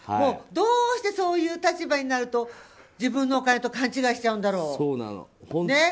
どうしてそういう立場になると自分のお金と勘違いしちゃうんだろう。